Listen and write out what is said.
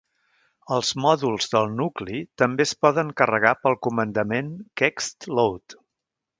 Els mòduls del nucli també es poden carregar pel comandament kextload.